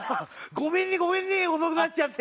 ごめんねごめんね遅くなっちゃって。